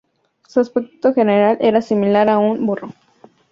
Su aspecto general era similar a un burro.